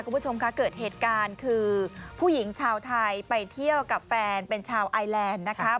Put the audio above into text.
คุณผู้ชมคะเกิดเหตุการณ์คือผู้หญิงชาวไทยไปเที่ยวกับแฟนเป็นชาวไอแลนด์นะคะ